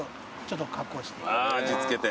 味付けて。